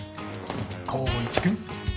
光一君。